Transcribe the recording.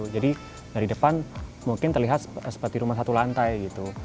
jadi dari depan mungkin terlihat seperti rumah satu lantai gitu